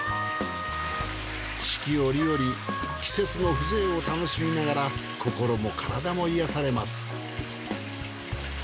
四季折々季節の風情を楽しみながら心も体も癒やされます。